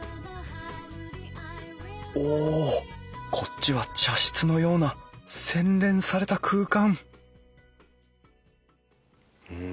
おこっちは茶室のような洗練された空間うん